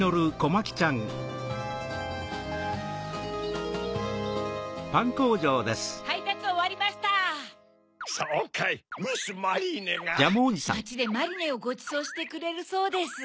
まちでマリネをごちそうしてくれるそうです。